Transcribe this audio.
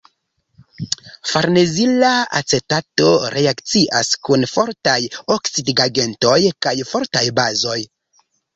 Farnezila acetato reakcias kun fortaj oksidigagentoj kaj fortaj bazoj.